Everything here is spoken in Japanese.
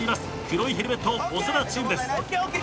黒いヘルメット長田チームです。